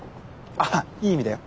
あっいい意味だよ。